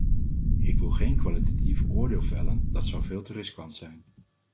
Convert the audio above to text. Ik wil geen kwalitatief oordeel vellen, dat zou veel te riskant zijn.